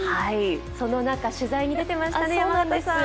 その中、取材に出ていましたね、山形さん。